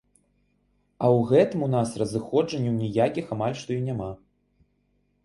А ў гэтым у нас разыходжанняў ніякіх амаль што і няма.